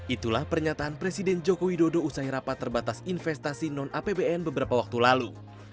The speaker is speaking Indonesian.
itulah pernyataan presiden joko widodo usai rapat terbatas investasi non apbn beberapa waktu lalu